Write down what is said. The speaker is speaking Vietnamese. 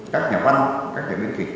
các nhà văn các nhà viên kịch